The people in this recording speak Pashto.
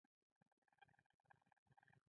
دوی غواړي له صفري نقطې څخه کار پيل کړي.